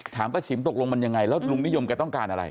ป้าฉิมตกลงมันยังไงแล้วลุงนิยมแกต้องการอะไร